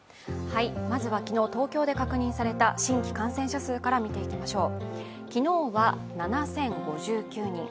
まずは昨日、東京で確認された新規感染確認者数から見てみましょう。